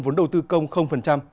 vốn đầu tư công